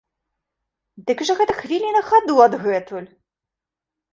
Дык жа гэта хвіліна хаду адгэтуль!